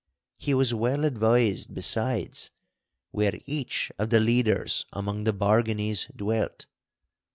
He was well advised besides where each of the leaders among the Barganies dwelt.